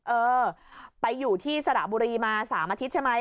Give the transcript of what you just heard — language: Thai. เออไปอยู่ที่สระบุรีมา๓อาทิตย์ใช่ไหม